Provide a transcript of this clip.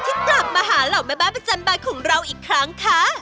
ที่กลับมาหาเหล่าแม่บ้านประจำบานของเราอีกครั้งค่ะ